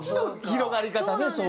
広がり方ね